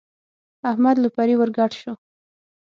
احمد لو پرې ور ګډ شو.